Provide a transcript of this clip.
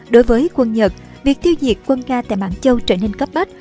đối với quân nhật việc tiêu diệt quân nga tại mạng châu trở nên cấp bách